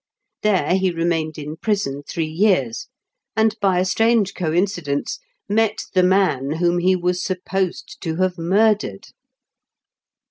There he remained in prison three years, and, by a strange concidence, met the man whom he was supposed to have murdered